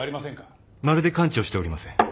まるで関知をしておりません。